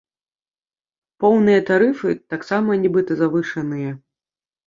Поўныя тарыфы таксама нібыта завышаныя.